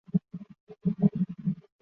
将答案锁在内心